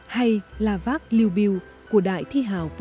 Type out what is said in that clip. hay là vác lưu biu của đại thi hào phúc